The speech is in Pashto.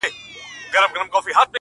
موږه كرلي دي اشنا دشاعر پښو ته زړونه.